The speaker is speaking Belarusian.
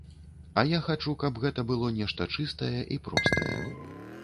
А я хачу, каб гэта было нешта чыстае і простае.